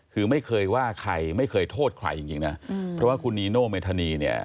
คือไม่เคยว่าใครไม่เคยโทษใครจริงนะเพราะว่าคุณนีโนเมธานีเนี่ย